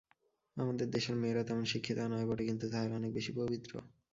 আমাদের দেশের মেয়েরা তেমন শিক্ষিতা নয় বটে, কিন্তু তাহারা অনেক বেশী পবিত্র।